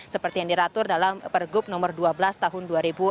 seperti yang diratur dalam pergub nomor dua belas tahun dua ribu enam belas